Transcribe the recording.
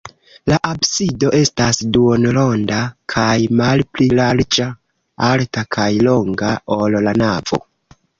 La absido estas duonronda kaj malpli larĝa, alta kaj longa, ol la navo.